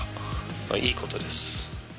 いいことです。